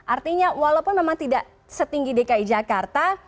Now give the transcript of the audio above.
artinya walaupun memang tidak setinggi dki jakarta